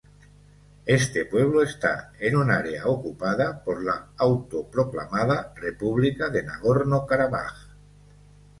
Este pueblo está en un área ocupada por la autoproclamada República de Nagorno Karabaj.